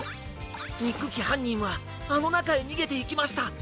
にっくきはんにんはあのなかへにげていきました！